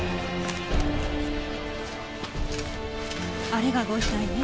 あれがご遺体ね。